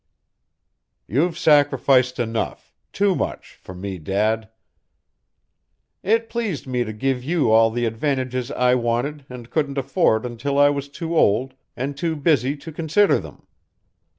"You've sacrificed enough too much for me, Dad." "It pleased me to give you all the advantages I wanted and couldn't afford until I was too old and too busy to consider them.